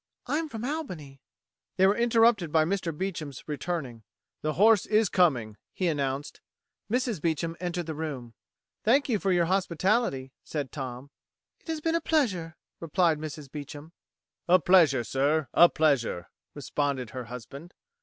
"I'm from Albany...." They were interrupted by Mr. Beecham's returning. "The horse is coming," he announced. Mrs. Beecham entered the room. "Thank you for your hospitality," said Tom. "It has been a pleasure," replied Mrs. Beecham. "A pleasure, sir a pleasure," responded her husband.